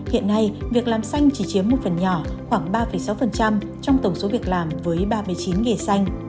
hiện nay việc làm xanh chỉ chiếm một phần nhỏ khoảng ba sáu trong tổng số việc làm với ba mươi chín nghề xanh